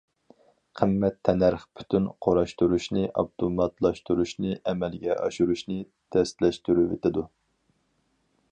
قىممەت تەننەرخ پۈتۈن قۇراشتۇرۇشنى ئاپتوماتلاشتۇرۇشنى ئەمەلگە ئاشۇرۇشنى تەسلەشتۈرۈۋېتىدۇ.